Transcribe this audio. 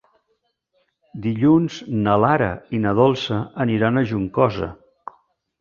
Dilluns na Lara i na Dolça aniran a Juncosa.